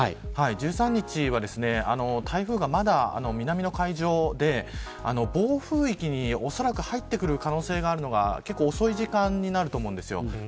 １３日は、台風がまだ南の海上で暴風域におそらく入ってくる可能性があるのが、遅い時間になると思います。